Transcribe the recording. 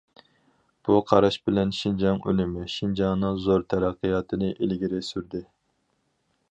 بۇ قاراش بىلەن‹‹ شىنجاڭ ئۈنۈمى›› شىنجاڭنىڭ زور تەرەققىياتىنى ئىلگىرى سۈردى.